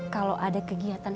kalau ada kegiatan